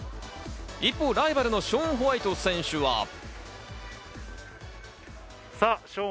一方、ライバルのショーン・ホワイト選手は。